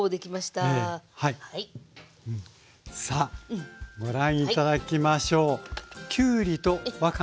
さあご覧頂きましょう。